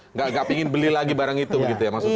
nggak pingin beli lagi barang itu gitu ya maksudnya